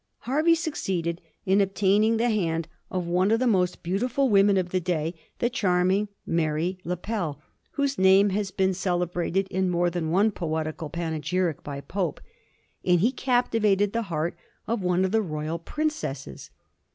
Hervey succeeded in obtaining the hand of one of the most beautiful women of the day, the charming Mary Lepell, whose name has been cele brated in more than one poetical panegyric by Pope, and he captivated the heart of one of the royal prin cesses.